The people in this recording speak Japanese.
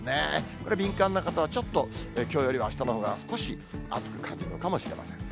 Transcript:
これ、敏感な方は、ちょっときょうよりはあしたのほうが、少し暑く感じるのかもしれません。